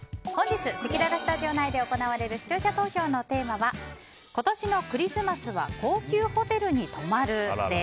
せきららスタジオ内で行われる視聴者投票のテーマは今年のクリスマスは高級ホテルに泊まるです。